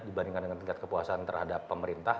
dibandingkan dengan tingkat kepuasan terhadap pemerintah